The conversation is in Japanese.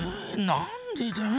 なんでだ？